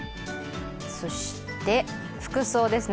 そして、服装ですね